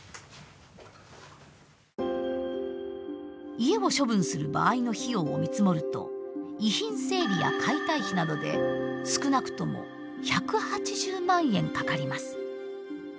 家を処分する場合の費用を見積もると遺品整理や解体費などで少なくとも１８０万円かかります。